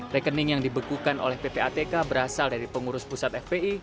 rekening yang dibekukan oleh ppatk berasal dari pengurus pusat fpi